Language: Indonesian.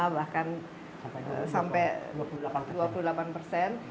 dua puluh lima bahkan sampai dua puluh delapan persen